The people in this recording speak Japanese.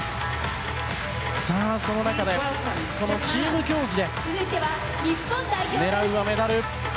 さあ、その中でこのチーム競技で狙うはメダル。